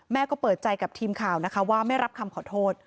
ก็เปิดใจกับทีมข่าวนะคะว่าไม่รับคำขอโทษ